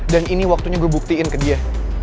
dan ini waktunya gue buktiin ke dia